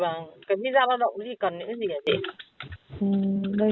vâng cái visa lao động gì cần nữa gì hả chị